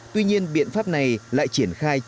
tuy nhiên biện pháp này lại triển khai trước